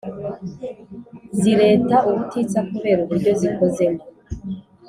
Zireta ubutitsa kubera uburyo zikozemo